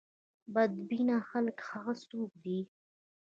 بد بینه خلک هغه څوک دي.